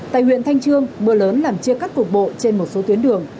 tại huyện thanh trương mưa lớn làm chia cắt cục bộ trên một số tuyến đường